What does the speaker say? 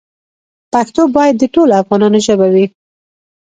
پښتو باید د ټولو افغانانو ژبه وي.